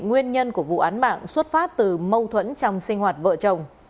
nguyên nhân của vụ án mạng xuất phát từ mâu thuẫn trong sinh hoạt vợ chồng